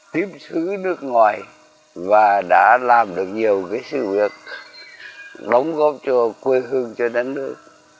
tiếp xứ nước ngoài và đã làm được nhiều sự việc đóng góp cho quê hương cho đất nước